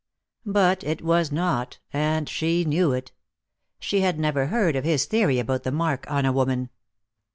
But it was not, and she knew it. She had never heard of his theory about the mark on a woman.